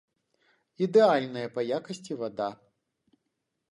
Ідэальная па якасці вада.